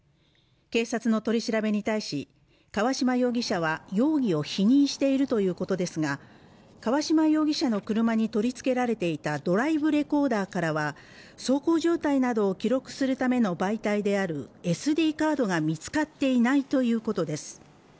警察の取り調べに対し川島容疑者は容疑を否認しているということですが川島容疑者の車に取り付けられていたドライブレコーダーからは走行状態などを記録するための媒体であるＳＤカードが見つかっていないということです